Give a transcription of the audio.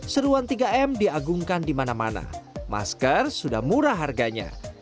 seruan tiga m diagungkan di mana mana masker sudah murah harganya